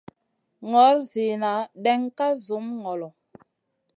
Nor zina ɗènŋa ka zumi ŋolo.